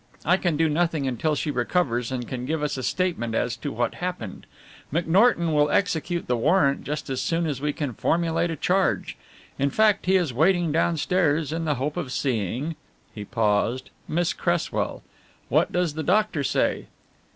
I can do nothing until she recovers and can give us a statement as to what happened. McNorton will execute the warrant just as soon as we can formulate a charge. In fact, he is waiting downstairs in the hope of seeing " he paused, "Miss Cresswell. What does the doctor say?"